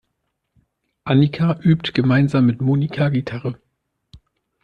Annika übt gemeinsam mit Monika Gitarre.